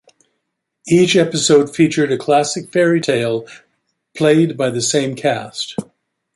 Each episode featured a classic fairy tale played by the same cast.